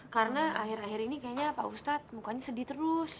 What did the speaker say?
karena akhir akhir ini kayaknya pak ustad mukanya sedih terus